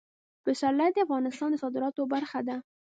پسرلی د افغانستان د صادراتو برخه ده.